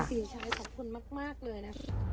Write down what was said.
ขอบคุณมากเลยนะ